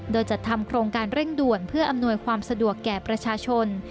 โดยจัดทำโครงการเร่งด่วนเพื่ออำนวยความสะดวกแก่ประชาชน